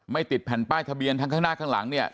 ติดแผ่นป้ายทะเบียนทั้งข้างหน้าข้างหลังเนี่ย